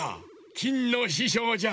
きんのししょうじゃ。